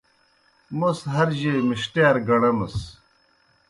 موْس ہر جیئے مِݜتِیار گݨَمَس۔